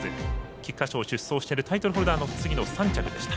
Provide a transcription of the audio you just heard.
菊花賞出走しているタイトルホルダーの次の３着でした。